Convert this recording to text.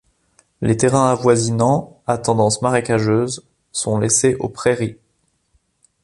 Les terrains avoisinants, à tendance marécageuse, sont laissés aux prairies.